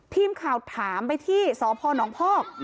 ทีมข่าวถามไปที่สพนพอก